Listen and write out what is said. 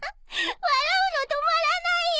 笑うの止まらないよ！